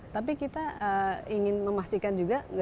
tapi kita ingin memastikan juga